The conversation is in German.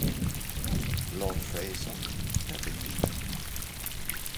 Lord Fraser, fertiggestellt.